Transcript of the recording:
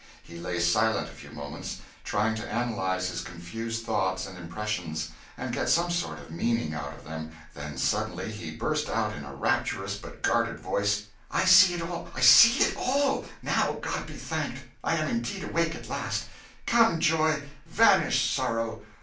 He lay silent a few moments, trying to analyse his confused thoughts and impressions, and get some sort of meaning out of them; then suddenly he burst out in a rapturous but guarded voice "I see it all, I see it all! Now God be thanked, I am indeed awake at last! Come, joy! vanish, sorrow!